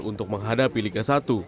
untuk menghadapi liga satu